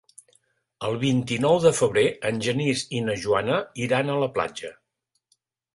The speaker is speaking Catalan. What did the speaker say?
El vint-i-nou de febrer en Genís i na Joana iran a la platja.